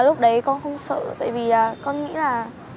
lúc đấy con không sợ tại vì con nghĩ là